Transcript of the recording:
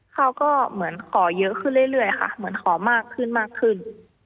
เขาก็เหมือนขอเยอะขึ้นเรื่อยค่ะเหมือนขอมากขึ้นมากขึ้น